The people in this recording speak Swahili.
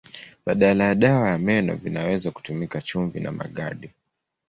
Badala ya dawa ya meno vinaweza kutumika chumvi na magadi.